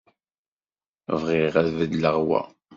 Bɣiɣ ad d-beddleɣ wa.